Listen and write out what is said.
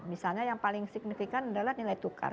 misalnya yang paling signifikan adalah nilai tukar